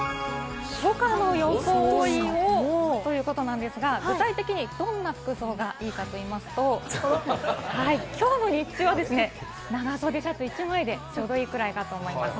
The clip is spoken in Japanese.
「初夏の装いを」ということなんですが、具体的にどんな服装がいいかと言いますと、今日、日中は長袖シャツ１枚でちょうどいいくらいかと思います。